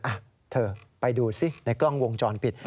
อ่ะเธอไปดูสิในกล้องวงจรปิด